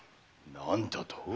何だと？